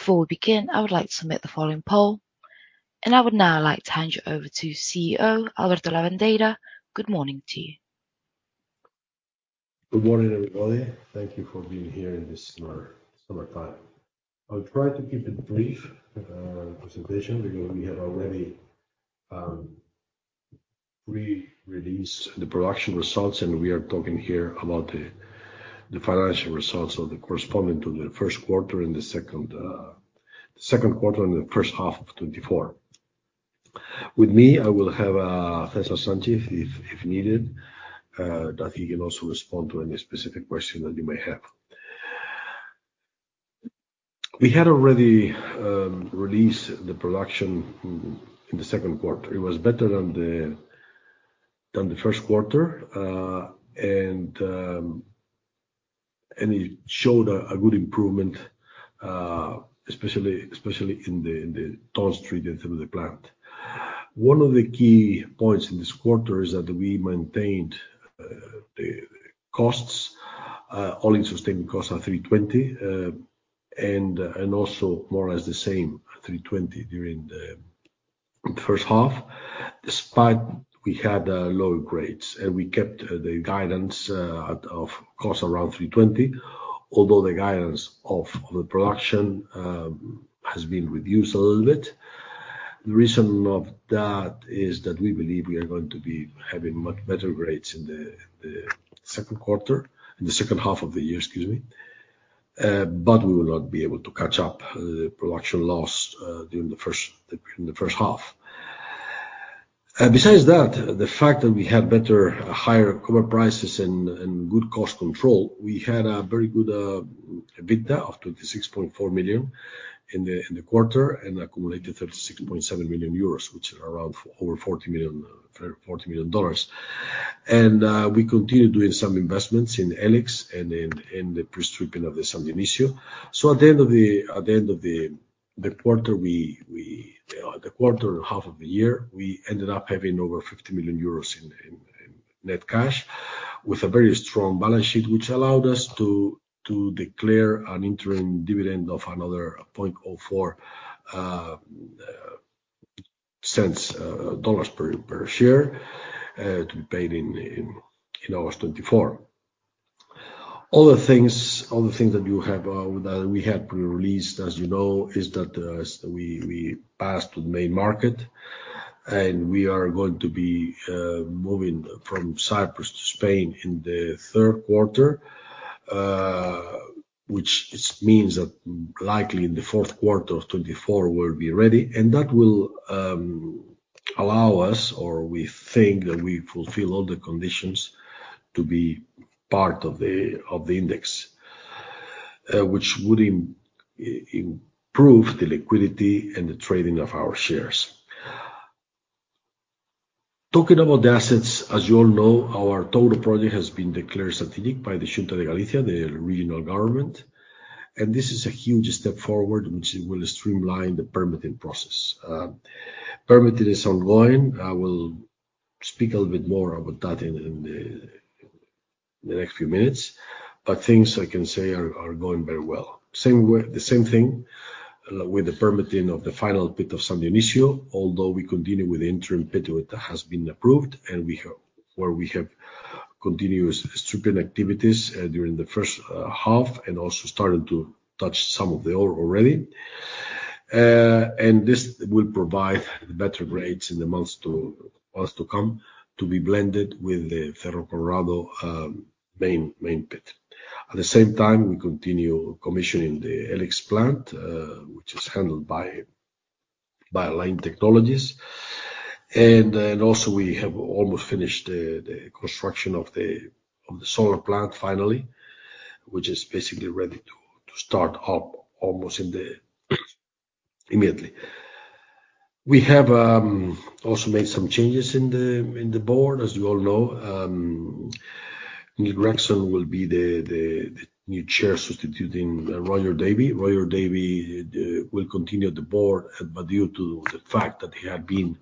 Before we begin, I would like to submit the following poll, and I would now like to hand you over to CEO, Alberto Lavandeira. Good morning to you. Good morning, everybody. Thank you for being here in this summertime. I'll try to keep it brief presentation, because we have already pre-released the production results, and we are talking here about the financial results corresponding to the first quarter and the second quarter and the first half of 2024. With me, I will have César Sánchez, if needed, that he can also respond to any specific question that you may have. We had already released the production in the second quarter. It was better than the first quarter, and it showed a good improvement, especially in the tons treated through the plant. One of the key points in this quarter is that we maintained the costs; all-in sustaining costs are $3.20, and also more or less the same, at $3.20 during the first half, despite we had lower grades. We kept the guidance at a cost around $3.20, although the guidance of the production has been reduced a little bit. The reason of that is that we believe we are going to be having much better grades in the second quarter. In the second half of the year, excuse me. But we will not be able to catch up the production loss during the first half. Besides that, the fact that we had better, higher copper prices and good cost control, we had a very good EBITDA of 26.4 million in the quarter, and accumulated 36.7 million euros, which are around over $40 million. We continued doing some investments in E-LIX and in the pre-stripping of the San Dionisio. So at the end of the quarter and half of the year, we ended up having over 50 million euros in net cash, with a very strong balance sheet, which allowed us to declare an interim dividend of another 0.04 cents dollars per share to be paid in August 2024. Other things, other things that you have, that we have pre-released, as you know, is that we passed to the main market, and we are going to be moving from Cyprus to Spain in the third quarter. Which means that likely in the fourth quarter of 2024, we'll be ready, and that will allow us, or we think that we fulfill all the conditions to be part of the index, which would improve the liquidity and the trading of our shares. Talking about the assets, as you all know, our Touro project has been declared strategic by the Xunta de Galicia, the regional government, and this is a huge step forward, which will streamline the permitting process. Permitting is ongoing. I will speak a little bit more about that in the next few minutes, but things I can say are going very well. The same thing with the permitting of the final pit of San Dionisio, although we continue with the interim pit, which has been approved, and we have where we have continuous stripping activities during the first half, and also started to touch some of the ore already. And this will provide better grades in the months to come, to be blended with the Cerro Colorado main pit. At the same time, we continue commissioning the E-LIX plant, which is handled by Lain Technologies. And then, also, we have almost finished the construction of the solar plant, finally, which is basically ready to start up almost immediately. We have also made some changes in the board, as you all know. Neil Gregson will be the new chair, substituting Roger Davey. Roger Davey will continue at the board, but due to the fact that he had been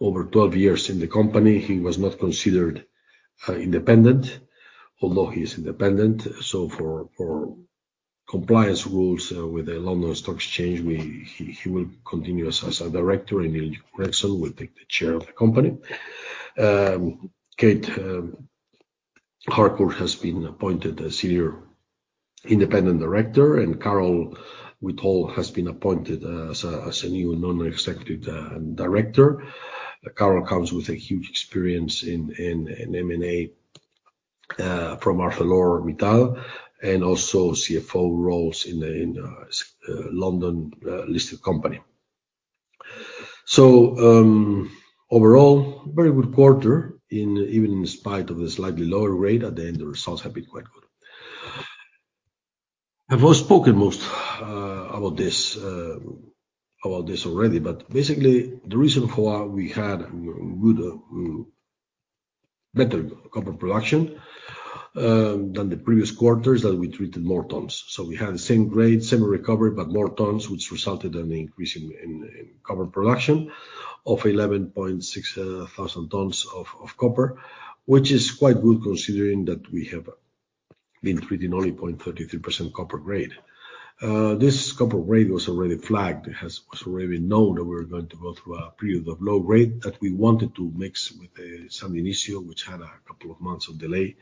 over twelve years in the company, he was not considered independent, although he is independent. So for compliance rules with the London Stock Exchange, he will continue as a director, and Neil Gregson will take the chair of the company. Kate Harcourt has been appointed as senior independent director, and Carole Whittall has been appointed as a new non-executive director. Carole comes with a huge experience in M&A from ArcelorMittal, and also CFO roles in the London listed company. So, overall, very good quarter, even in spite of a slightly lower rate, at the end, the results have been quite good. I've spoken most about this already, but basically, the reason for why we had good, better copper production than the previous quarters, that we treated more tons. So we had the same grade, same recovery, but more tons, which resulted in an increase in copper production of 11,600 tons of copper, which is quite good, considering that we have been treating only 0.33% copper grade. This copper grade was already flagged. It has also already been known that we were going to go through a period of low grade, that we wanted to mix with San Dionisio, which had a couple of months of delay.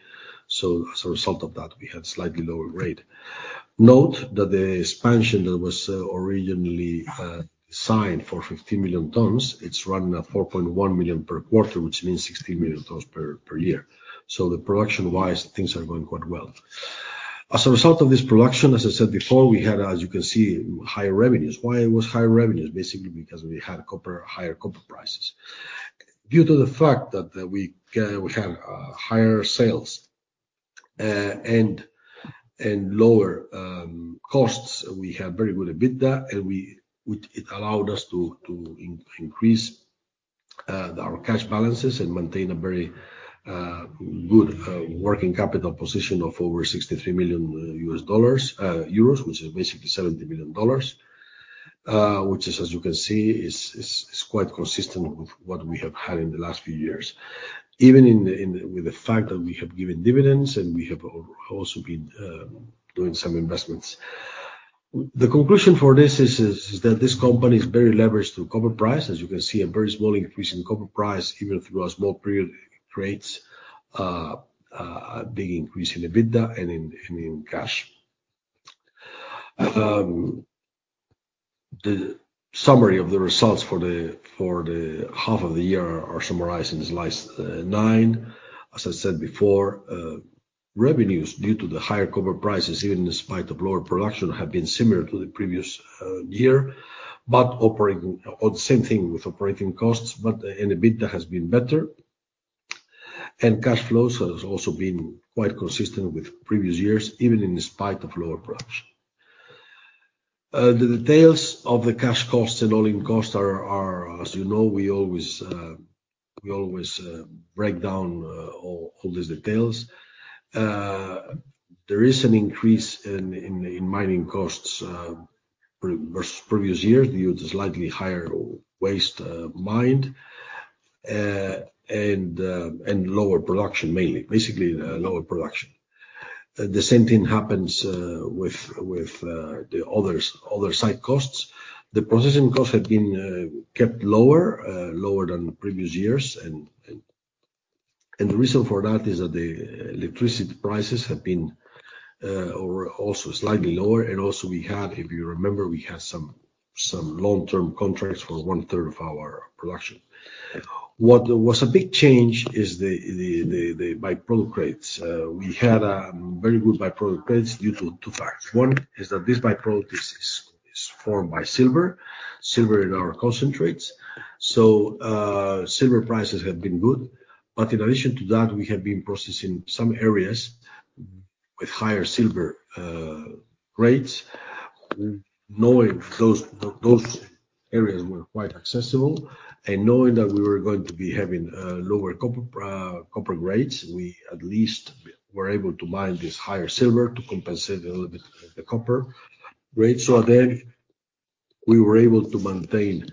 So as a result of that, we had slightly lower grade. Note that the expansion that was originally signed for 15 million tons, it's running at 4.1 million per quarter, which means 60 million tons per year. So production-wise, things are going quite well. As a result of this production, as I said before, we had, as you can see, higher revenues. Why it was high revenues? Basically, because we had higher copper prices. Due to the fact that we had higher sales and lower costs, we had very good EBITDA, and which it allowed us to increase our cash balances and maintain a very good working capital position of over EUR 63 million, which is basically $70 million. Which is, as you can see, quite consistent with what we have had in the last few years. Even with the fact that we have given dividends, and we have also been doing some investments. The conclusion for this is that this company is very leveraged to copper price. As you can see, a very small increase in copper price, even through a small period, creates a big increase in EBITDA and in cash. The summary of the results for the half of the year are summarized in slide nine. As I said before, revenues, due to the higher copper prices, even in spite of lower production, have been similar to the previous year, but operating costs - or the same thing with operating costs, but EBITDA has been better. Cash flow has also been quite consistent with previous years, even in spite of lower production. The details of the cash costs and all-in costs are, as you know, we always break down all these details. There is an increase in mining costs versus previous years, due to slightly higher waste mined and lower production, mainly. Basically, the lower production. The same thing happens with the other site costs. The processing costs have been kept lower than previous years. And the reason for that is that the electricity prices have been or also slightly lower. And also we had, if you remember, we had some long-term contracts for one-third of our production. What was a big change is the by-product grades. We had very good by-product grades due to two facts. One is that this by-product is formed by silver. Silver in our concentrates. So, silver prices have been good, but in addition to that, we have been processing some areas with higher silver grades. Knowing those areas were quite accessible, and knowing that we were going to be having lower copper grades, we at least were able to mine this higher silver to compensate a little bit the copper grade. So then, we were able to maintain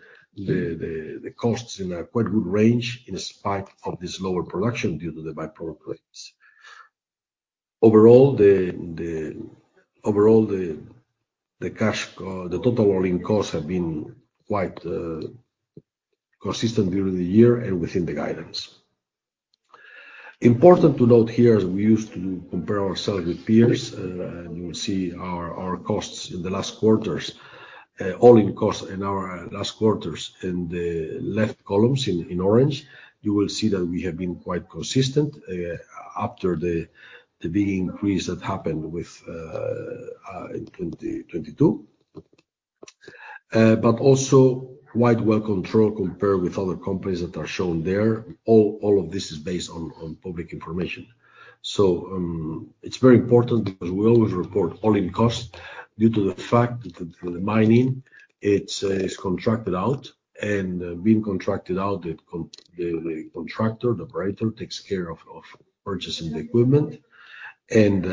the costs in a quite good range, in spite of this lower production due to the by-product grades. Overall, the total all-in costs have been quite consistent during the year and within the guidance. Important to note here, as we used to compare ourselves with peers, and you will see our costs in the last quarters, all-in costs in our last quarters, in the left columns in orange. You will see that we have been quite consistent after the big increase that happened in 2022. But also quite well controlled compared with other companies that are shown there. All of this is based on public information. So, it's very important because we always report all-in costs due to the fact that the mining is contracted out. Being contracted out, the contractor, the operator, takes care of purchasing the equipment and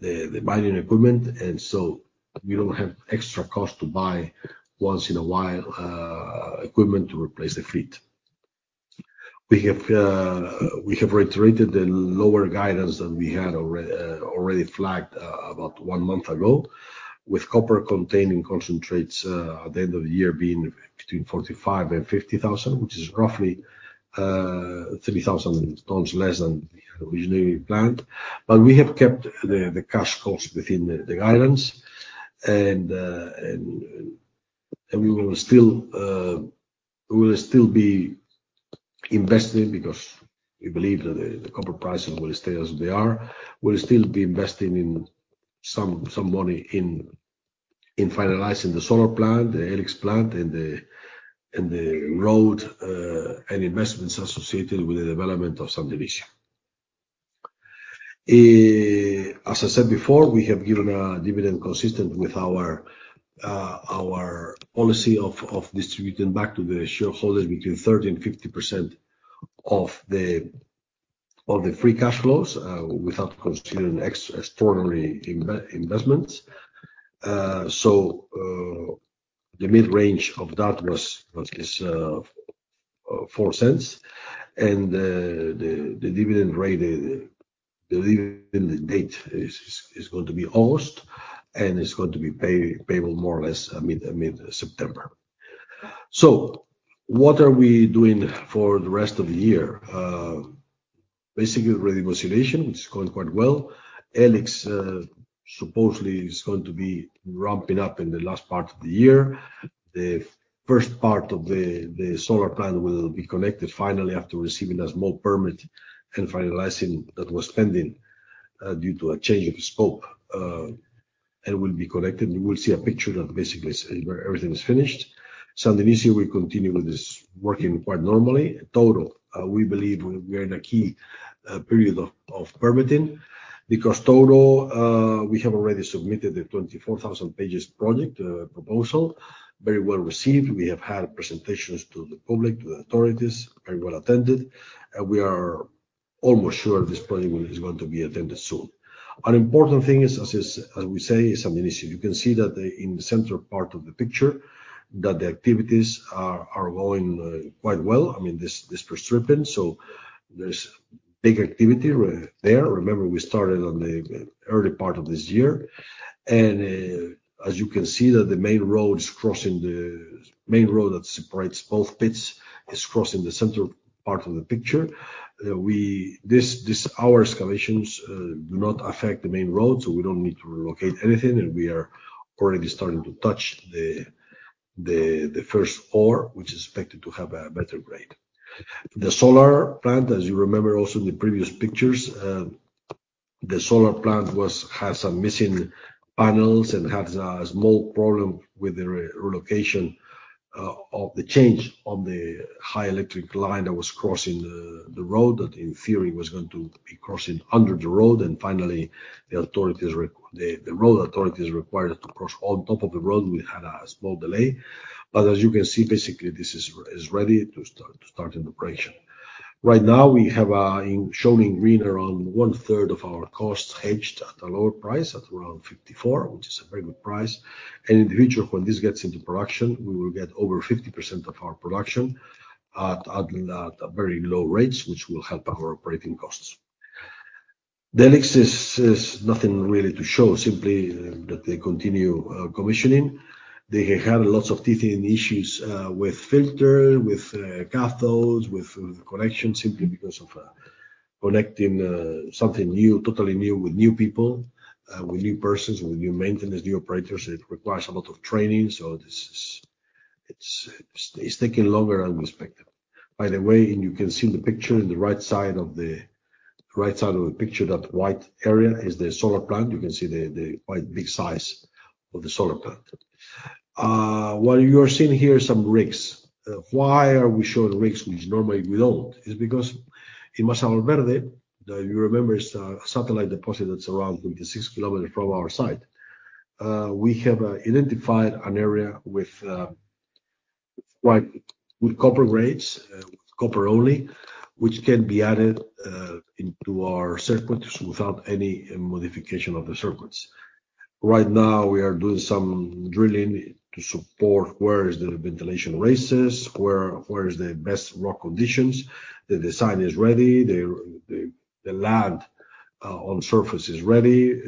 the mining equipment. So we don't have extra cost to buy once in a while equipment to replace the fleet. We have reiterated the lower guidance than we had already flagged about one month ago, with copper containing concentrates at the end of the year being between 45,000 and 50,000, which is roughly 30,000 tons less than we originally planned. But we have kept the cash costs within the guidelines. And we will still be investing because we believe that the copper prices will stay as they are. We'll still be investing in some money in finalizing the solar plant, the E-LIX plant, and the road, and investments associated with the development of San Dionisio. As I said before, we have given a dividend consistent with our policy of distributing back to the shareholders between 30%-50% of the free cash flows, without considering extraordinary investments. So, the mid-range of that is $0.04, and the dividend date is going to be August, and it's going to be payable more or less mid-September. So what are we doing for the rest of the year? Basically, remediation, which is going quite well. E-LIX, supposedly is going to be ramping up in the last part of the year. The first part of the, the solar plant will be connected finally, after receiving a small permit and finalizing that was pending, due to a change of scope, and will be connected. You will see a picture that basically say where everything is finished. San Dionisio, we continue with this, working quite normally. Touro, we believe we are in a key, period of permitting, because Touro, we have already submitted the 24,000 pages project, proposal. Very well received. We have had presentations to the public, to the authorities, very well attended, and we are almost sure this project is going to be attended soon. An important thing is, as is, as we say, is San Dionisio. You can see that in the central part of the picture, that the activities are going quite well. I mean, this pre-stripping, so there's big activity right there. Remember, we started in the early part of this year, and as you can see, the main road that separates both pits is crossing the central part of the picture. Our excavations do not affect the main road, so we don't need to relocate anything, and we are already starting to touch the first ore, which is expected to have a better grade. The solar plant, as you remember, also in the previous pictures, the solar plant had some missing panels and had a small problem with the relocation of the change on the high electric line that was crossing the road. That in theory was going to be crossing under the road, and finally, the road authorities required it to cross on top of the road. We had a small delay, but as you can see, basically, this is ready to start in operation. Right now, we have indicated in green around one third of our cost hedged at a lower price, at around $54, which is a very good price. In the future, when this gets into production, we will get over 50% of our production at, at, at a very low rates, which will help our operating costs. Next is nothing really to show, simply that they continue commissioning. They have had lots of teething issues with filter, with cathodes, with connection, simply because of connecting something new, totally new, with new people, with new persons, with new maintenance, new operators. It requires a lot of training, so it's taking longer than we expected. By the way, and you can see in the picture, on the right side of the picture, that white area is the solar plant. You can see the quite big size of the solar plant. What you are seeing here is some rigs. Why are we showing rigs, which normally we don't? It's because in Masa Valverde, that you remember, is a satellite deposit that's around 36 kilometers from our site. We have identified an area with quite good copper grades, copper only, which can be added into our circuits without any modification of the circuits. Right now, we are doing some drilling to support where is the ventilation raises, where is the best rock conditions. The design is ready, the land on surface is ready,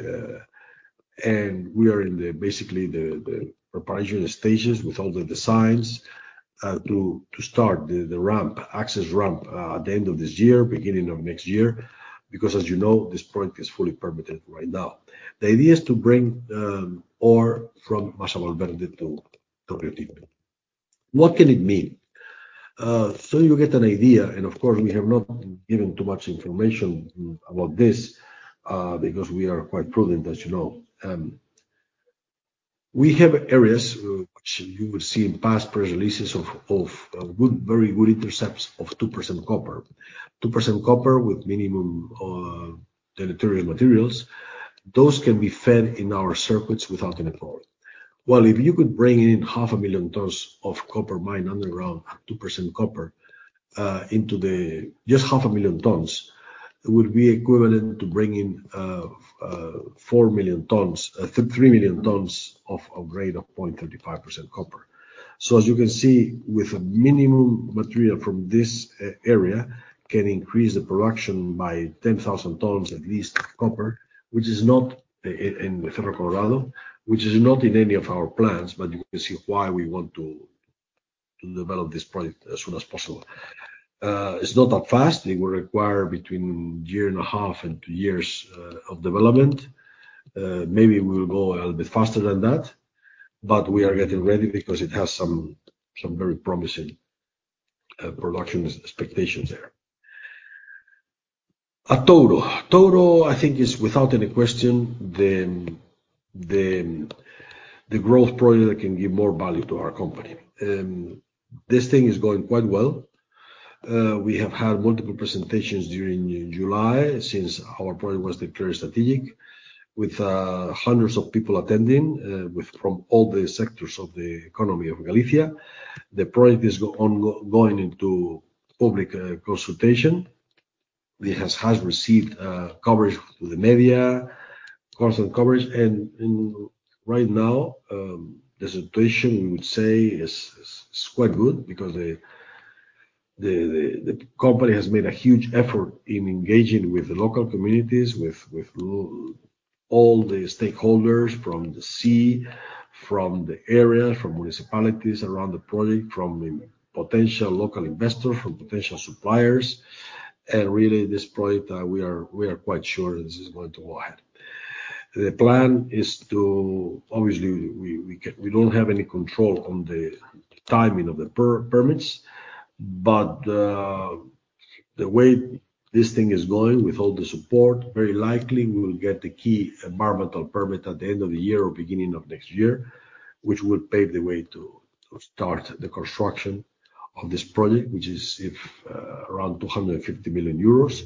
and we are basically in the preparation stages with all the designs to start the ramp, access ramp, at the end of this year, beginning of next year, because as you know, this project is fully permitted right now. The idea is to bring ore from Masa Valverde to Riotinto. What can it mean? So you get an idea, and of course, we have not given too much information about this, because we are quite prudent, as you know. We have areas which you will see in past press releases of good, very good intercepts of 2% copper. 2% copper with minimum deleterious materials. Those can be fed in our circuits without any problem. Well, if you could bring in 500,000 tons of copper mine underground at 2% copper into the... Just 500,000 tons, it would be equivalent to bringing 4 million tons, 3 million tons of grade of 0.35% copper. So as you can see, with a minimum material from this area, can increase the production by 10,000 tons, at least, copper, which is not in Cerro Colorado, which is not in any of our plans, but you can see why we want to develop this project as soon as possible. It's not that fast. It will require between a year and a half and two years of development. Maybe we will go a little bit faster than that, but we are getting ready because it has some very promising production expectations there. At Touro. Touro, I think, is without any question, the growth project that can give more value to our company. This thing is going quite well. We have had multiple presentations during July, since our project was declared strategic, with hundreds of people attending, from all the sectors of the economy of Galicia. The project is going into public consultation. It has received coverage through the media, constant coverage, and right now, the situation, we would say, is quite good because the company has made a huge effort in engaging with the local communities, with all the stakeholders from the sea, from the area, from municipalities around the project, from potential local investors, from potential suppliers. Really, this project, we are quite sure this is going to go ahead. The plan is, we don't have any control on the timing of the permits, but the way this thing is going, with all the support, very likely we will get the key environmental permit at the end of the year or beginning of next year, which will pave the way to start the construction of this project, which is around 250 million euros,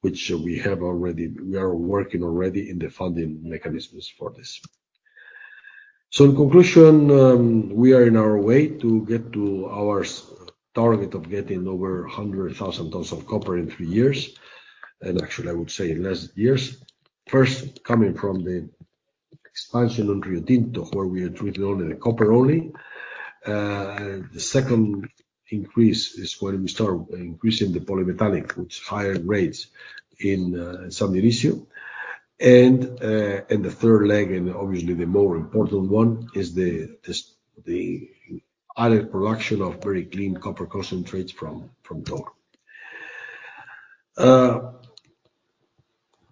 which we have already. We are working already in the funding mechanisms for this. So in conclusion, we are on our way to get to our target of getting over 100,000 tons of copper in three years, and actually, I would say in less years. First, coming from the expansion on Riotinto, where we are treating only the copper only. The second increase is when we start increasing the polymetallic with higher grades in San Dionisio. And, and the third leg, and obviously the more important one, is the higher production of very clean copper concentrates from Touro.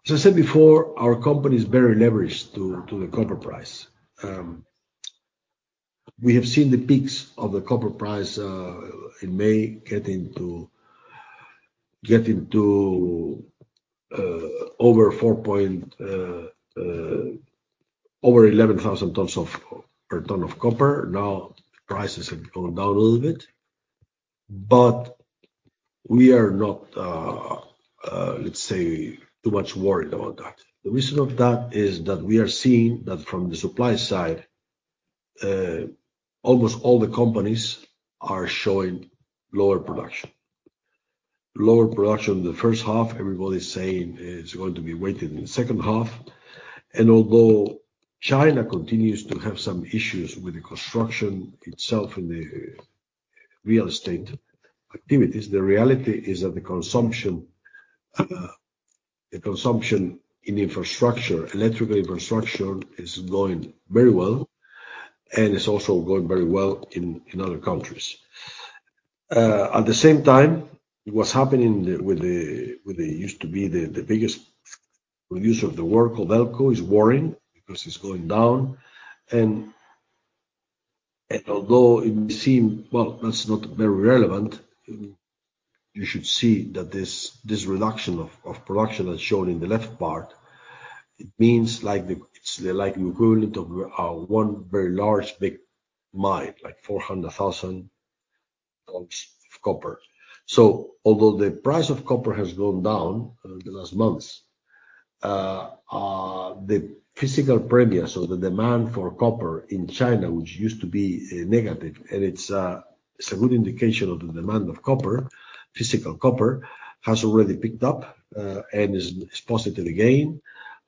As I said before, our company is very leveraged to the copper price. We have seen the peaks of the copper price in May, getting to over $11,000 per ton of copper. Now, prices have gone down a little bit, but we are not, let's say, too much worried about that. The reason of that is that we are seeing that from the supply side, almost all the companies are showing lower production. Lower production in the first half, everybody is saying it's going to be weighting in the second half. And although China continues to have some issues with the construction itself in the real estate activities, the reality is that the consumption, the consumption in infrastructure, electrical infrastructure, is going very well, and it's also going very well in, in other countries. At the same time, what's happening with the, with what used to be the, the biggest producer of the world, Codelco, is worrying because it's going down. And, and although it may seem, well, that's not very relevant, you should see that this, this reduction of, of production, as shown in the left part, it means like it's like the equivalent of one very large, big mine, like 400,000 tons of copper. So although the price of copper has gone down in the last months, the physical premium, so the demand for copper in China, which used to be negative, and it's a good indication of the demand of copper. Physical copper has already picked up, and is positive again,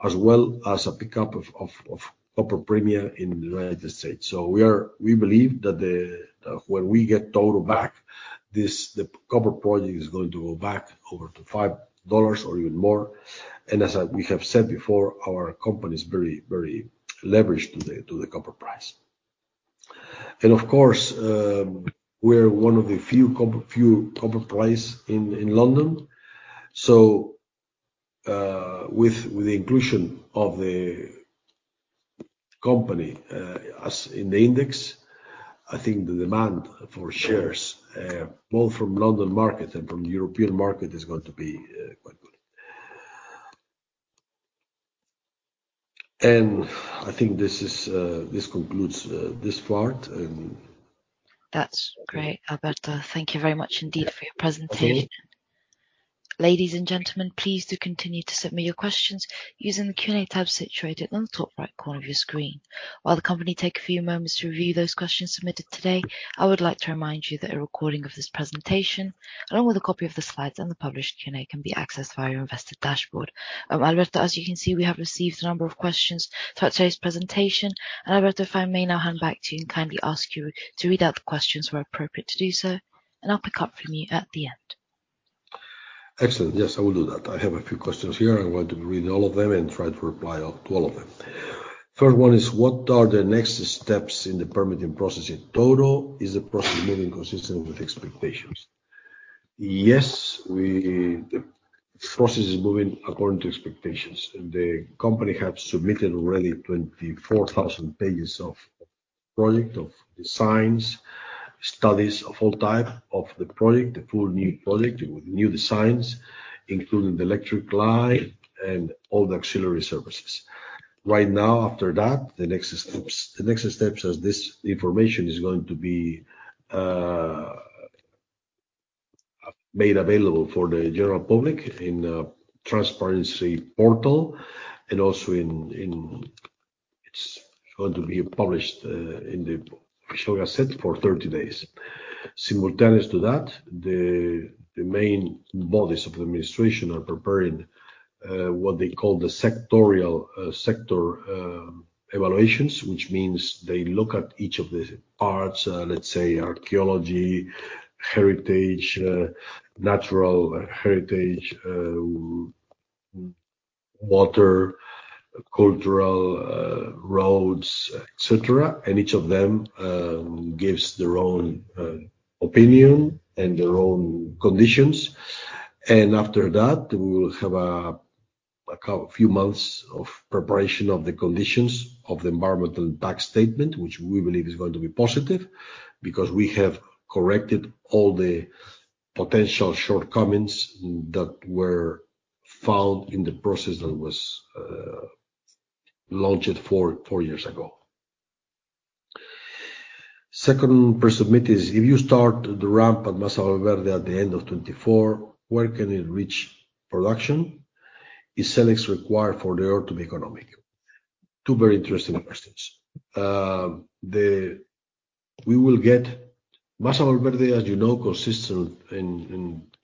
as well as a pickup of copper premium in the United States. So we believe that when we get Touro back, the copper project is going to go back over to $5 or even more. And as we have said before, our company is very, very leveraged to the copper price. And of course, we're one of the few copper plays in London. So, with the inclusion of the company as in the index, I think the demand for shares both from the London market and from the European market is going to be quite good. And I think this is this concludes this part, and- That's great, Alberto. Thank you very much indeed for your presentation. Okay. Ladies and gentlemen, please do continue to submit your questions using the Q&A tab situated on the top right corner of your screen. While the company take a few moments to review those questions submitted today, I would like to remind you that a recording of this presentation, along with a copy of the slides and the published Q&A, can be accessed via your investor dashboard. Alberto, as you can see, we have received a number of questions throughout today's presentation, and, Alberto, if I may now hand back to you and kindly ask you to read out the questions where appropriate to do so, and I'll pick up from you at the end. Excellent. Yes, I will do that. I have a few questions here. I'm going to read all of them and try to reply to all of them. First one is: What are the next steps in the permitting process in Touro? Is the process moving consistent with expectations? Yes. The process is moving according to expectations. The company has submitted already 24,000 pages of project, of designs, studies of all type, of the project, the full new project, with new designs, including the electric line and all the auxiliary services. Right now, after that, the next steps is this information is going to be made available for the general public in a transparency portal and also in. It's going to be published in the official gazette for 30 days. Simultaneous to that, the main bodies of the administration are preparing what they call the sectorial sector evaluations. Which means they look at each of the parts, let's say archaeology, heritage, natural heritage, water, cultural, roads, et cetera, and each of them gives their own opinion and their own conditions. And after that, we will have a few months of preparation of the conditions of the environmental impact statement, which we believe is going to be positive, because we have corrected all the potential shortcomings that were found in the process that was launched four years ago. Second pre-submit is: If you start the ramp at Masa Valverde at the end of 2024, where can it reach production? Is E-LIX required for the ore to be economic? Two very interesting questions. We will get Masa Valverde, as you know, consists of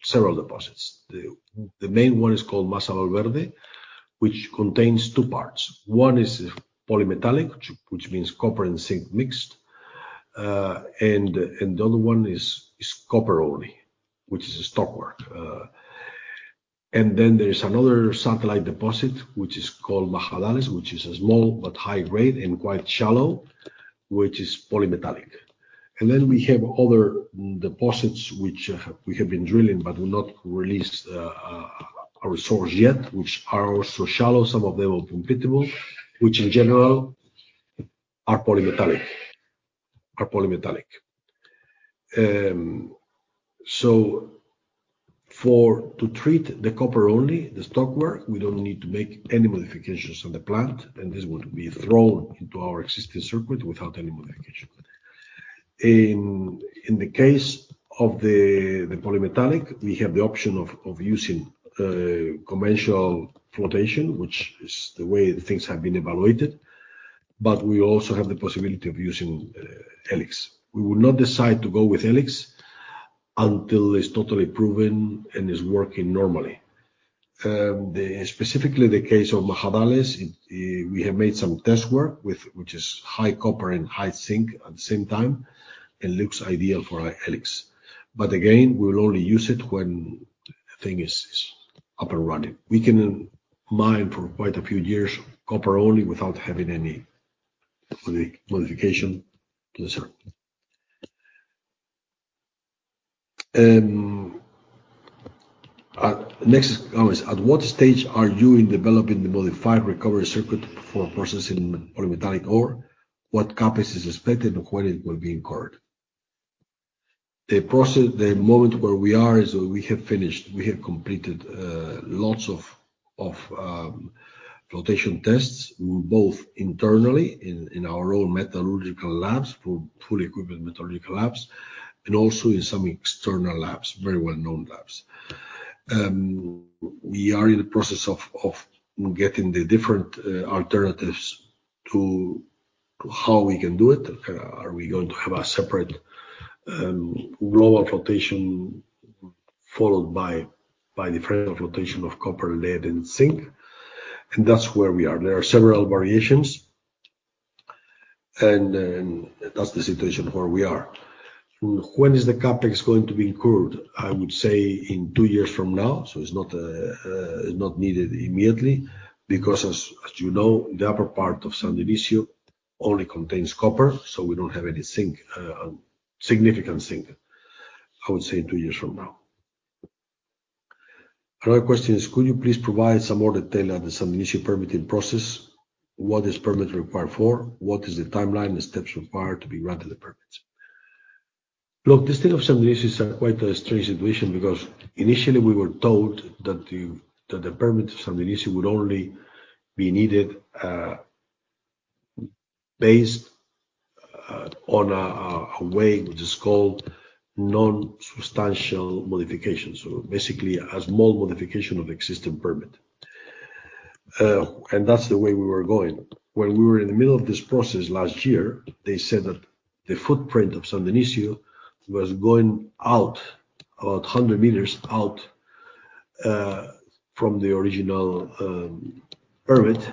several deposits. The main one is called Masa Valverde, which contains two parts. One is polymetallic, which means copper and zinc mixed. And the other one is copper only, which is a stockwork. And then there is another satellite deposit, which is called Majadales, which is small but high grade and quite shallow, which is polymetallic. And then we have other deposits, which we have been drilling, but we've not released our resource yet, which are also shallow. Some of them are open-pit, which in general are polymetallic, are polymetallic. So to treat the copper only, the stockwork, we don't need to make any modifications on the plant, and this would be thrown into our existing circuit without any modification. In the case of the polymetallic, we have the option of using conventional flotation, which is the way things have been evaluated, but we also have the possibility of using E-LIX. We will not decide to go with E-LIX until it's totally proven and is working normally. Specifically the case of Majadales, we have made some test work which is high copper and high zinc at the same time, and looks ideal for our E-LIX. But again, we will only use it when the thing is up and running. We can mine for quite a few years, copper only, without having any poly- modification to the circuit. Next is always: At what stage are you in developing the modified recovery circuit for processing polymetallic ore? What CapEx is expected, and when it will be incurred? The process - the moment where we are is we have finished - we have completed lots of flotation tests, both internally in our own metallurgical labs, fully equipped metallurgical labs, and also in some external labs, very well-known labs. We are in the process of getting the different alternatives to how we can do it. Are we going to have a separate global flotation followed by the final flotation of copper, lead, and zinc? That's where we are. There are several variations, and that's the situation where we are. When is the CapEx going to be incurred? I would say in two years from now. It's not needed immediately, because as you know, the upper part of San Dionisio only contains copper, so we don't have any significant zinc. I would say in two years from now. Another question is: Could you please provide some more detail on the San Dionisio permitting process? What is permit required for? What is the timeline and steps required to be granted the permits? Look, the state of San Dionisio is quite a strange situation because initially, we were told that the permit of San Dionisio would only be needed based on a way which is called non-substantial modification. So basically, a small modification of existing permit. And that's the way we were going. When we were in the middle of this process last year, they said that the footprint of San Dionisio was going out, about 100m out from the original permit.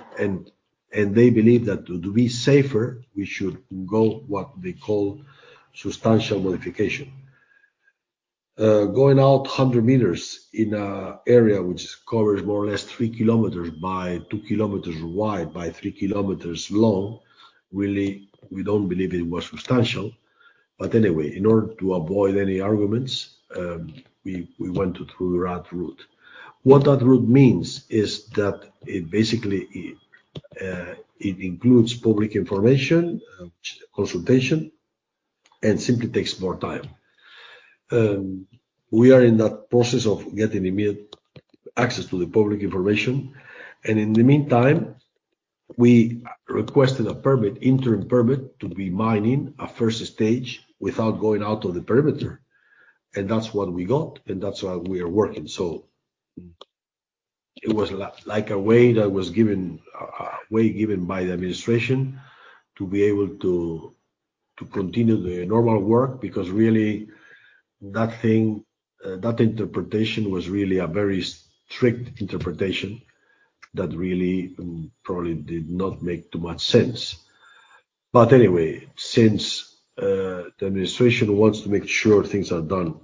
And they believe that to be safer, we should go what they call substantial modification. Going out 100m in an area which covers more or less 3km by 2km wide by 3km long, really, we don't believe it was substantial. But anyway, in order to avoid any arguments, we went through the route. What that route means is that it basically includes public information, consultation, and simply takes more time. We are in that process of getting immediate access to the public information, and in the meantime, we requested a permit, interim permit, to be mining a first stage without going out of the perimeter. And that's what we got, and that's why we are working. So-... It was like a way that was given, a way given by the administration to be able to continue the normal work, because really that thing, that interpretation was really a very strict interpretation that really probably did not make too much sense. But anyway, since the administration wants to make sure things are done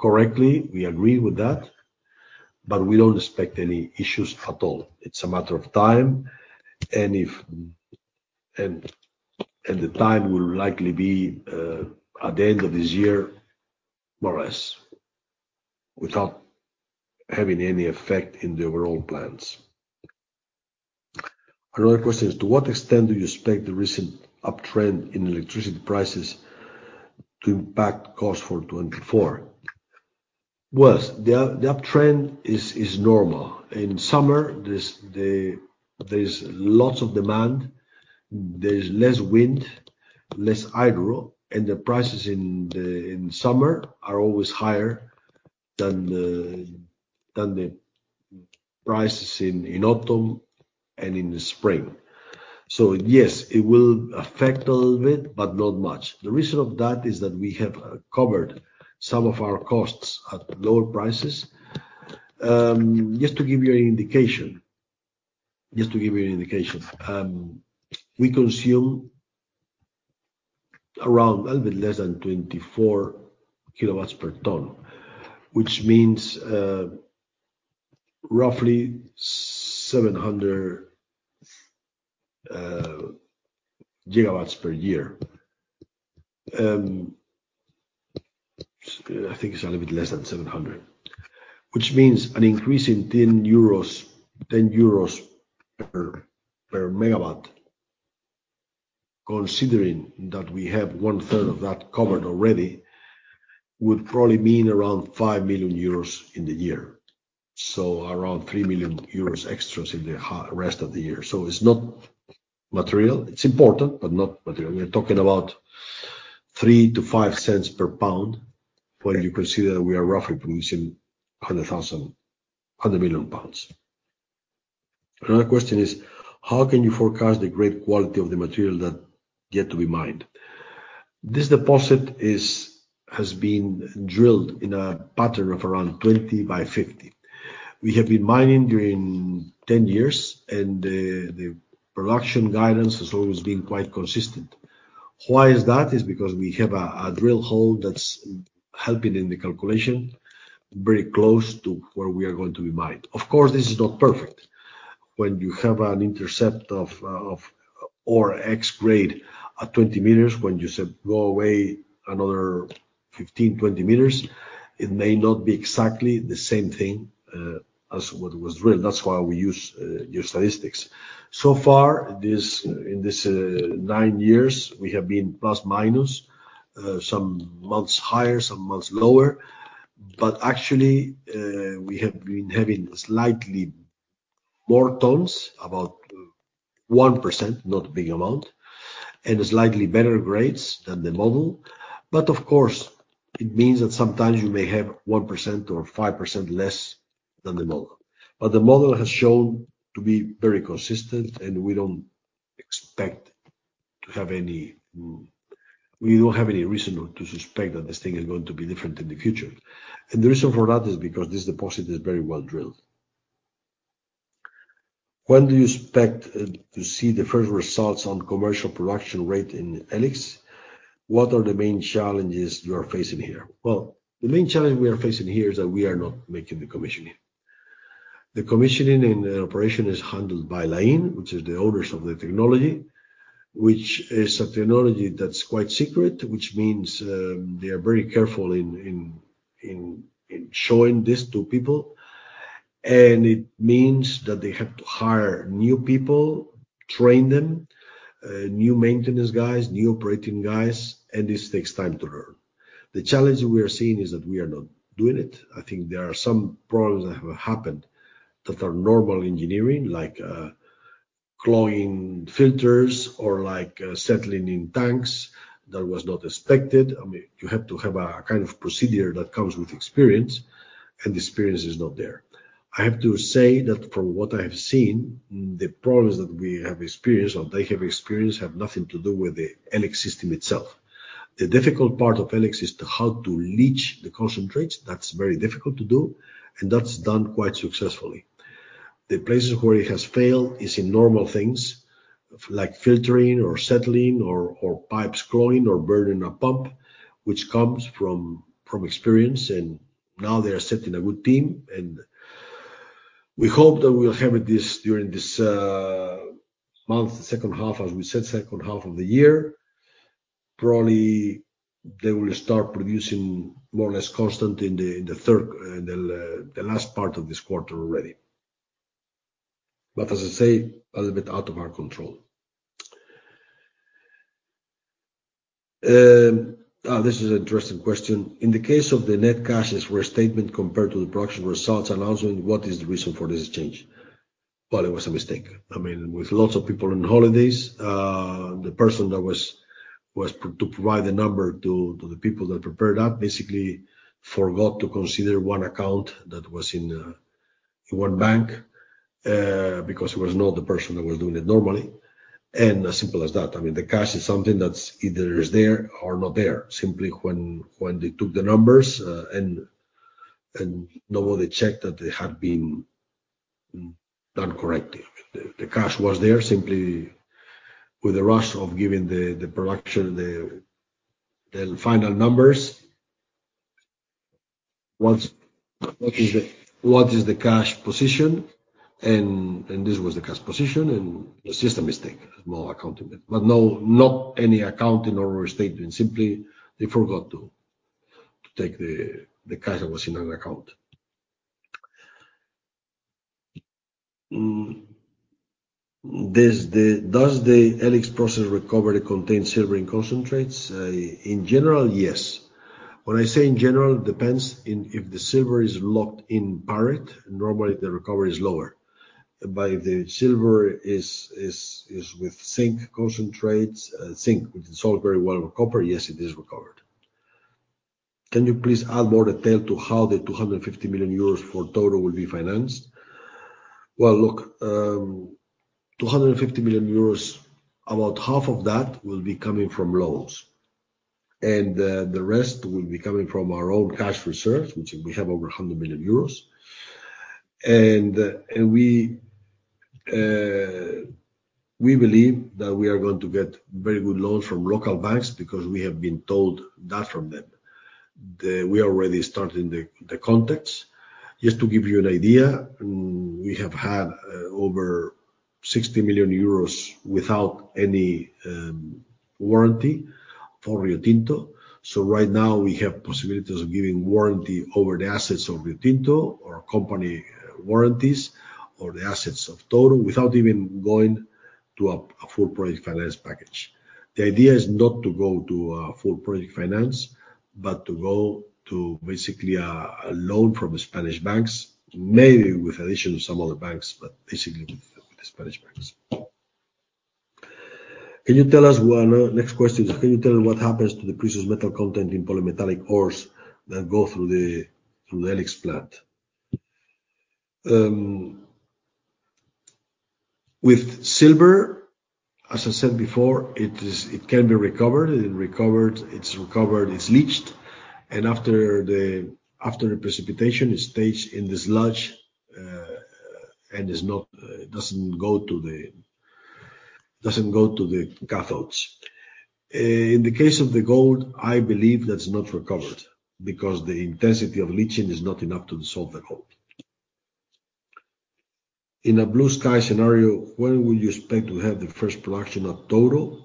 correctly, we agree with that, but we don't expect any issues at all. It's a matter of time, and the time will likely be at the end of this year, more or less, without having any effect in the overall plans. Another question is: To what extent do you expect the recent uptrend in electricity prices to impact costs for 2024? Well, the uptrend is normal. In summer, there's the, there's lots of demand, there's less wind, less hydro, and the prices in the, in summer are always higher than the, than the prices in, in autumn and in the spring. So yes, it will affect a little bit, but not much. The reason of that is that we have covered some of our costs at lower prices. Just to give you an indication, just to give you an indication, we consume around a little bit less than 24 kilowatts per ton, which means roughly 700 gigawatts per year. I think it's a little bit less than 700, which means an increase in 10 euros, 10 euros per megawatt, considering that we have one third of that covered already, would probably mean around 5 million euros in the year. So around 3 million euros extras in the rest of the year. So it's not material. It's important, but not material. We're talking about 3-5 cents per pound, when you consider we are roughly producing 100,000-100 million pounds. Another question is: How can you forecast the great quality of the material that yet to be mined? This deposit is, has been drilled in a pattern of around 20 by 50. We have been mining during 10 years, and the production guidance has always been quite consistent. Why is that? Is because we have a drill hole that's helping in the calculation, very close to where we are going to be mined. Of course, this is not perfect. When you have an intercept of or X grade at 20m, when you say, go away another 15m, 20m, it may not be exactly the same thing as what was drilled. That's why we use statistics. So far, this in this 9 years, we have been plus, minus, some months higher, some months lower, but actually, we have been having slightly more tons, about 1%, not a big amount, and slightly better grades than the model. But of course, it means that sometimes you may have 1% or 5% less than the model. But the model has shown to be very consistent, and we don't expect to have any. We don't have any reason to suspect that this thing is going to be different in the future. The reason for that is because this deposit is very well drilled. When do you expect to see the first results on commercial production rate in E-LIX? What are the main challenges you are facing here? Well, the main challenge we are facing here is that we are not making the commissioning. The commissioning and the operation is handled by Lain, which is the owners of the technology, which is a technology that's quite secret, which means they are very careful in showing this to people. And it means that they have to hire new people, train them, new maintenance guys, new operating guys, and this takes time to learn. The challenge we are seeing is that we are not doing it. I think there are some problems that have happened that are normal engineering, like, clogging filters or like, settling in tanks that was not expected. I mean, you have to have a kind of procedure that comes with experience, and the experience is not there. I have to say that from what I have seen, the problems that we have experienced, or they have experienced, have nothing to do with the E-LIX system itself. The difficult part of E-LIX is how to leach the concentrates. That's very difficult to do, and that's done quite successfully. The places where it has failed is in normal things like filtering or settling or pipes clogging or burning a pump, which comes from experience, and now they are setting a good team, and we hope that we'll have this during this month, the second half, as we said, second half of the year. Probably, they will start producing more or less constant in the third, the last part of this quarter already. But as I say, a little bit out of our control. This is an interesting question. In the case of the net cash flow statement compared to the production results announcement, what is the reason for this change? Well, it was a mistake. I mean, with lots of people on holidays, the person that was to provide the number to the people that prepared that basically forgot to consider one account that was in one bank because it was not the person that was doing it normally, and as simple as that. I mean, the cash is something that's either is there or not there. Simply when they took the numbers and nobody checked that they had been done correctly. The cash was there, simply with the rush of giving the production, the final numbers. What is the cash position? And this was the cash position, and a system mistake, more accounting. But no, not any accounting or restatement. Simply they forgot to take the cash that was in another account. Does the E-LIX process recovery contain silver in concentrates? In general, yes. When I say in general, it depends in if the silver is locked in pyrite, normally the recovery is lower. But if the silver is with zinc concentrates, zinc, which dissolve very well with copper, yes, it is recovered. Can you please add more detail to how the 250 million euros for Touro will be financed? Well, look, 250 million euros, about half of that will be coming from loans, and the rest will be coming from our own cash reserves, which we have over 100 million euros. And we believe that we are going to get very good loans from local banks because we have been told that from them. We already started the contacts. Just to give you an idea, we have had over 60 million euros without any warranty for Riotinto. So right now we have possibilities of giving warranty over the assets of Riotinto, or company warranties, or the assets of Touro, without even going to a full project finance package. The idea is not to go to a full project finance, but to go to basically a loan from Spanish banks, maybe with addition to some other banks, but basically the Spanish banks. Can you tell us what... Next question is: Can you tell us what happens to the precious metal content in polymetallic ores that go through the E-LIX plant? With silver, as I said before, it is- it can be recovered. It recovered, it's recovered, it's leached, and after the precipitation, it stays in the sludge, and is not, doesn't go to the cathodes. In the case of the gold, I believe that's not recovered because the intensity of leaching is not enough to dissolve the gold. In a blue sky scenario, when will you expect to have the first production of Touro?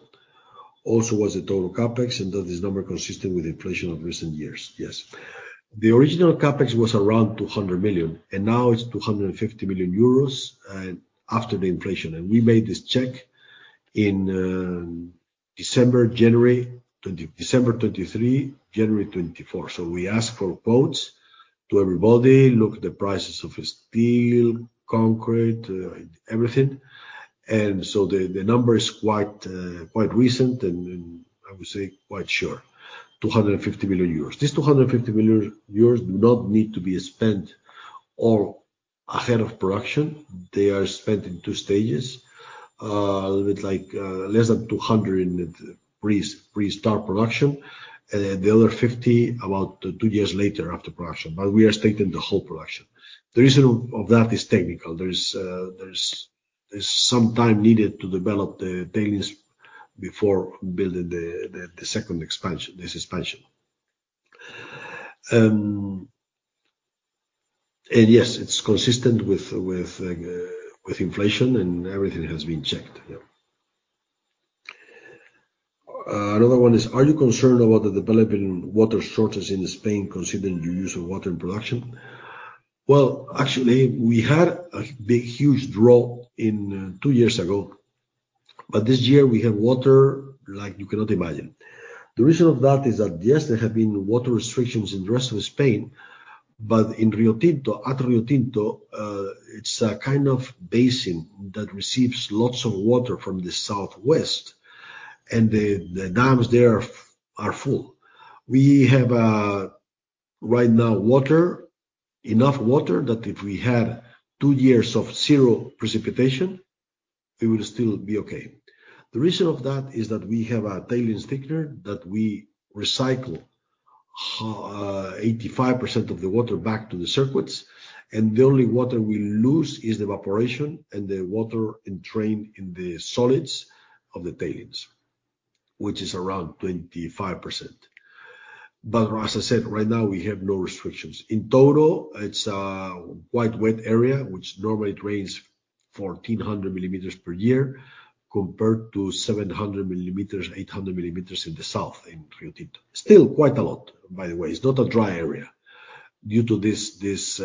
Also, what's the total CapEx, and does this number consistent with the inflation of recent years? Yes. The original CapEx was around 200 million, and now it's 250 million euros, and after the inflation. We made this check in December 2023, January 2024. So we asked for quotes to everybody, look at the prices of steel, concrete, everything. The number is quite, quite recent and, I would say quite sure, 250 million euros. This 250 million euros do not need to be spent all ahead of production. They are spent in two stages, with like, less than 200 in pre-start production, and the other 50, about 2 years later after production, but we are stating the whole production. The reason of that is technical. There's some time needed to develop the tailings before building the second expansion, this expansion. And yes, it's consistent with, with, inflation, and everything has been checked, yeah. Another one is: Are you concerned about the developing water shortages in Spain, considering your use of water in production? Well, actually, we had a big, huge drought in two years ago, but this year we have water like you cannot imagine. The reason for that is that, yes, there have been water restrictions in the rest of Spain, but in Riotinto, at Riotinto, it's a kind of basin that receives lots of water from the southwest, and the dams there are full. We have, right now, enough water that if we had two years of zero precipitation, we would still be okay. The reason for that is that we have a tailings thickener that we recycle 85% of the water back to the circuits, and the only water we lose is the evaporation and the water entrained in the solids of the tailings, which is around 25%. But as I said, right now, we have no restrictions. In total, it's a quite wet area, which normally it rains 1,400 millimeters per year, compared to 700 millimeters, 800 millimeters in the south, in Riotinto. Still, quite a lot, by the way. It's not a dry area. Due to this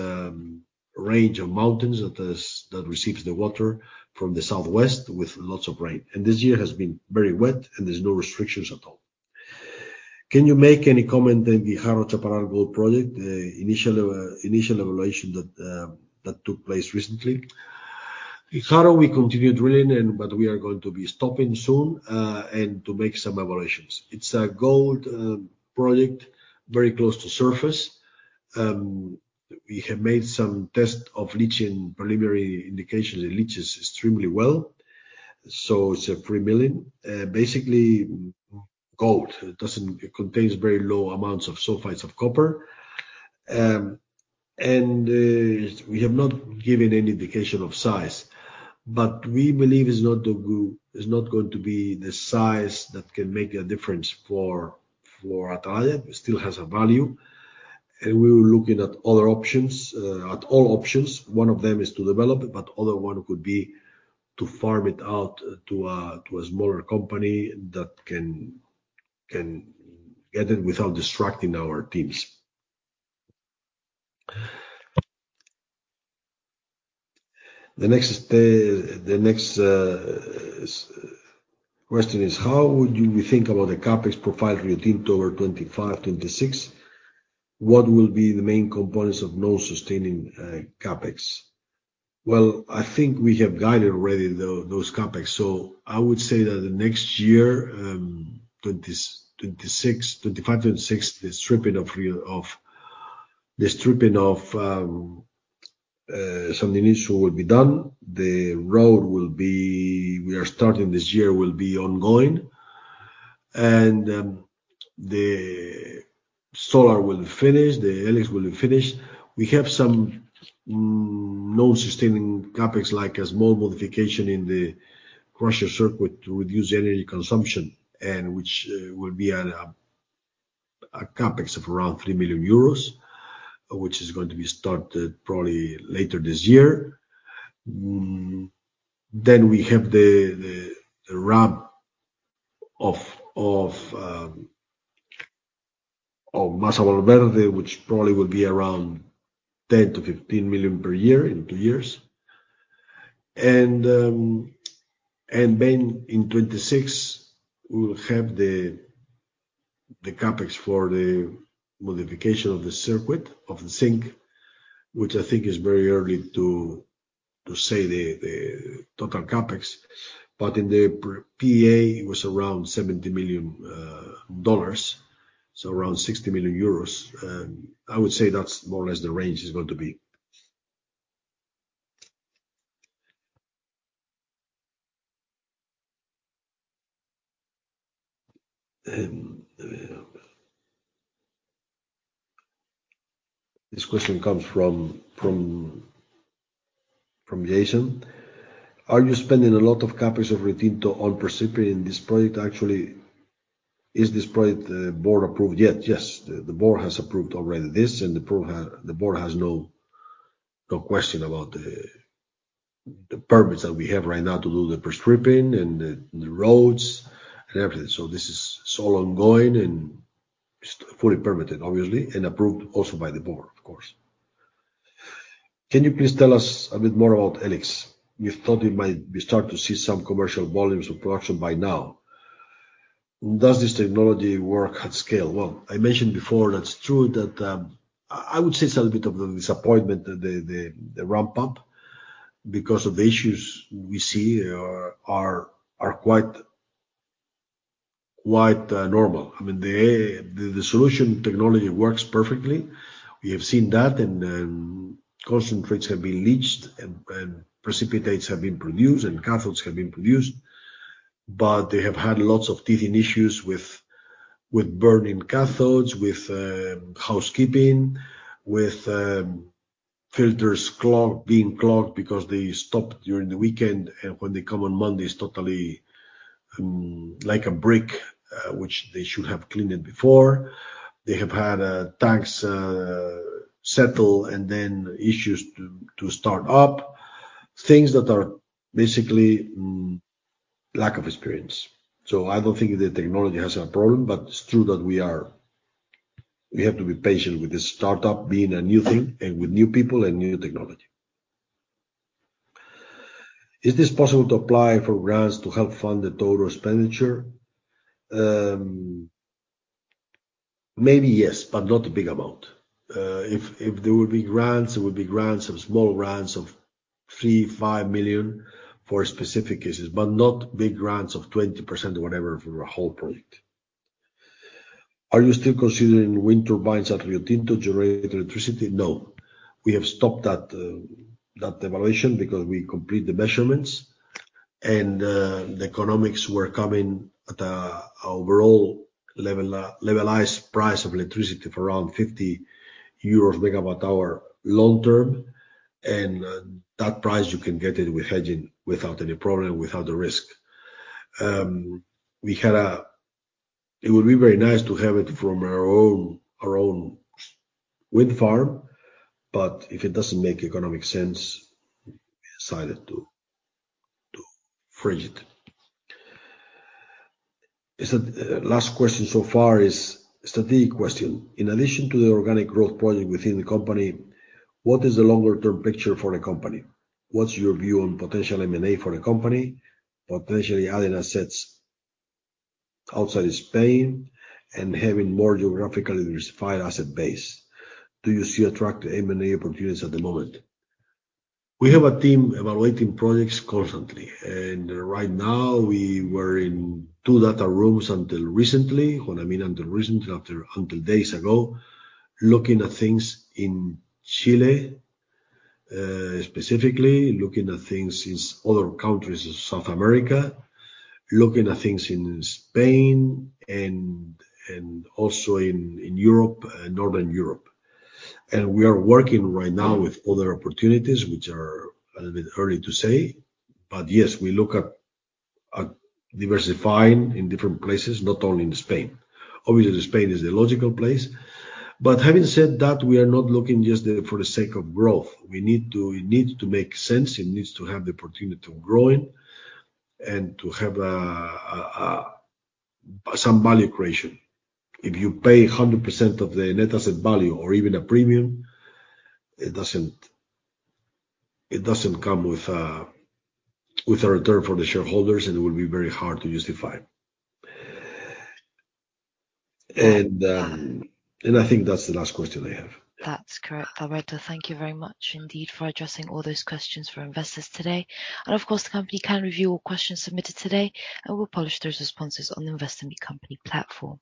range of mountains that receives the water from the southwest with lots of rain. This year has been very wet, and there's no restrictions at all.... Can you make any comment on the Guijarro-Chaparral Gold Project, the initial evaluation that took place recently? In Guijarro-Chaparral, we continued drilling and, but we are going to be stopping soon, and to make some evaluations. It's a gold project, very close to surface. We have made some test of leaching, preliminary indications it leaches extremely well. So it's a 3 million. Gold. It doesn't. It contains very low amounts of sulfides of copper. And, we have not given any indication of size, but we believe it's not go, it's not going to be the size that can make a difference for, for Atalaya. It still has a value, and we were looking at other options, at all options. One of them is to develop it, but other one could be to farm it out to a, to a smaller company that can, can get it without distracting our teams. The next question is: How would you think about the CapEx profile for Riotinto over 2025, 2026? What will be the main components of non-sustaining CapEx? Well, I think we have guided already those CapEx, so I would say that the next year, 2025, 2026, the stripping of some initial will be done. The road will be we are starting this year, will be ongoing, and the solar will be finished, the E-LIX will be finished. We have some non-sustaining CapEx, like a small modification in the crusher circuit to reduce energy consumption, and which will be at a CapEx of around 3 million euros, which is going to be started probably later this year. Then we have the ramp of Masa Valverde, which probably will be around 10 million-15 million per year in two years. and then in 2026, we will have the CapEx for the modification of the circuit, of the zinc, which I think is very early to say the total CapEx, but in the PEA, it was around $70 million, so around 60 million euros. I would say that's more or less the range is going to be. This question comes from Jason: Are you spending a lot of CapEx at Riotinto on pre-stripping this project? Actually, is this project board approved yet? Yes, the board has approved already this, and the board has no question about the permits that we have right now to do the pre-stripping and the roads and everything. So this is all ongoing and it's fully permitted, obviously, and approved also by the board, of course. Can you please tell us a bit more about E-LIX? We thought we might be start to see some commercial volumes of production by now. Does this technology work at scale? Well, I mentioned before, that's true, that. I would say it's a little bit of a disappointment, the ramp up, because of the issues we see are quite normal. I mean, the solution technology works perfectly. We have seen that, and concentrates have been leached and precipitates have been produced, and cathodes have been produced, but they have had lots of teething issues with burning cathodes, with housekeeping, with filters being clogged because they stopped during the weekend, and when they come on Monday, it's totally like a brick, which they should have cleaned it before. They have had tanks settle and then issues to start up, things that are basically lack of experience. So I don't think the technology has a problem, but it's true that we are we have to be patient with the startup being a new thing and with new people and new technology. Is this possible to apply for grants to help fund the total expenditure? Maybe yes, but not a big amount. If there would be grants, it would be grants of small grants of 3 million, 5 million for specific cases, but not big grants of 20% or whatever for a whole project. Are you still considering wind turbines at Riotinto to generate electricity? No, we have stopped that, that evaluation because we complete the measurements, and, the economics were coming at a overall level, levelized price of electricity for around 50 EUR/MWh long term, and that price, you can get it with hedging without any problem, without the risk. We had a... It would be very nice to have it from our own, our own wind farm, but if it doesn't make economic sense, we decided to, to freeze it. Is that, last question so far is strategic question: In addition to the organic growth project within the company, what is the longer-term picture for the company? What's your view on potential M&A for the company, potentially adding assets outside Spain and having more geographically diversified asset base? Do you see attractive M&A opportunities at the moment? We have a team evaluating projects constantly, and right now, we were in two data rooms until recently. What I mean until recently, until days ago, looking at things in Chile, specifically looking at things in other countries in South America, looking at things in Spain and also in Europe, Northern Europe. We are working right now with other opportunities, which are a little bit early to say. But yes, we look at diversifying in different places, not only in Spain. Obviously, Spain is the logical place, but having said that, we are not looking just there for the sake of growth. We need to, it needs to make sense. It needs to have the opportunity to grow in and to have some value creation. If you pay 100% of the net asset value or even a premium, it doesn't, it doesn't come with a, with a return for the shareholders, and it will be very hard to justify. And, and I think that's the last question I have. That's correct. Alberto, thank you very much indeed for addressing all those questions for investors today. Of course, the company can review all questions submitted today, and we'll publish those responses on the Investor Meet Company platform.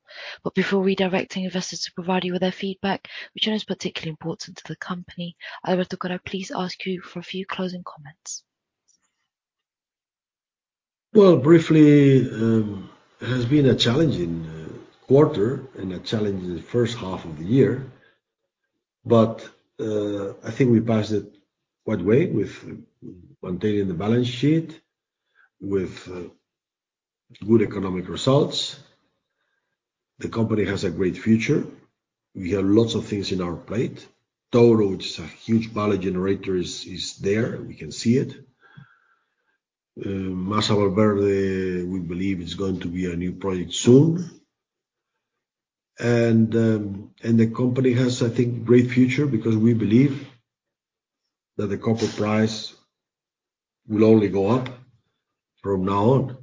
Before redirecting investors to provide you with their feedback, which is particularly important to the company, Alberto, could I please ask you for a few closing comments? Well, briefly, it has been a challenging quarter and a challenging first half of the year, but I think we passed it quite well with maintaining the balance sheet, with good economic results. The company has a great future. We have lots of things in our plate. Touro, which is a huge value generator, is there. We can see it. Masa Valverde, we believe is going to be a new project soon. And the company has, I think, great future because we believe that the copper price will only go up from now on.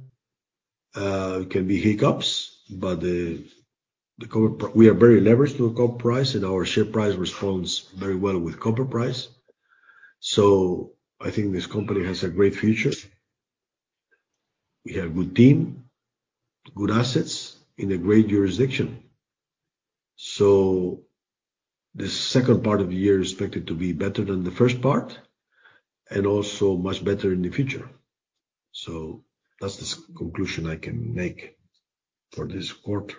It can be hiccups, but the copper price we are very leveraged to a copper price, and our share price responds very well with copper price. So I think this company has a great future. We have good team, good assets in a great jurisdiction. So the second part of the year is expected to be better than the first part, and also much better in the future. So that's the conclusion I can make for this quarter.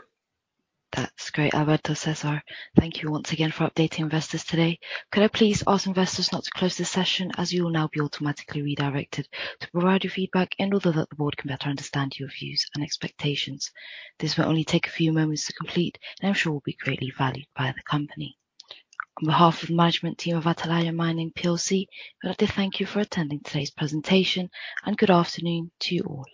That's great, Alberto, César. Thank you once again for updating investors today. Could I please ask investors not to close this session, as you will now be automatically redirected to provide your feedback and although that the board can better understand your views and expectations. This will only take a few moments to complete, and I'm sure will be greatly valued by the company. On behalf of the management team of Atalaya Mining PLC, we'd like to thank you for attending today's presentation, and good afternoon to you all.